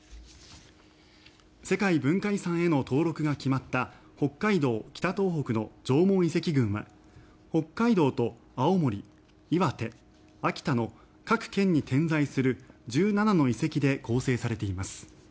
世界文化遺産への登録が決まった北海道・北東北の縄文遺跡群は北海道と青森、岩手、秋田の各県に点在する１７の遺跡で構成されています。